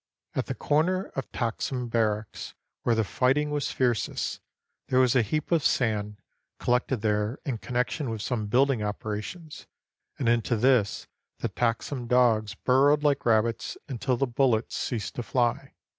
At the comer of Taxim Bar racks, where the fighting was fiercest, there was a heap of sand, collected there in connection with some build ing operations, and into this the Taxim dogs burrowed like rabbits until the bullets ceased to fly.